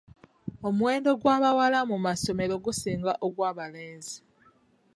Omuwendo gw'abawala mu masomero gusinga ogw'abalenzi.